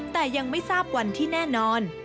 แต่ยังไม่ทราบวันที่แน่นอน